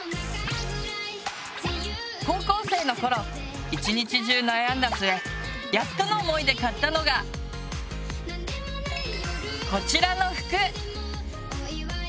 高校生の頃一日中悩んだ末やっとの思いで買ったのがこちらの服。